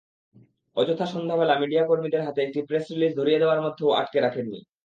অথবা সন্ধ্যাবেলা মিডিয়াকর্মীদের হাতে একটি প্রেস রিলিজ ধরিয়ে দেওয়ার মধ্যেও আটকে রাখেননি।